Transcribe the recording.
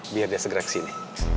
biar dia segera kesini